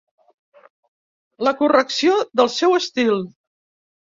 La correcció del seu estil.